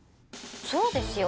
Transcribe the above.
そうですよ。